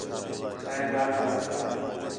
خیر رات تا وخت ہا